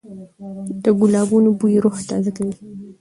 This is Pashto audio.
د ګلانو بوی روح تازه کوي.